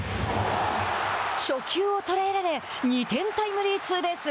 初球を捉えられ２点タイムリーツーベース。